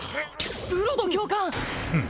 ブロド教官！